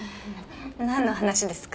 なんの話ですか？